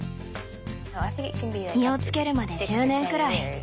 実をつけるまで１０年くらい。